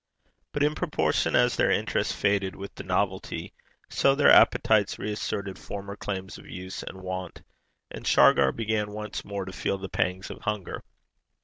But in proportion as their interest faded with the novelty, so their appetites reasserted former claims of use and wont, and Shargar began once more to feel the pangs of hunger.